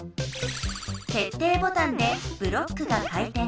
けっていボタンでブロックが回転。